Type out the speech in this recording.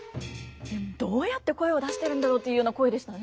どうやって声を出してるんだろうっていうような声でしたね。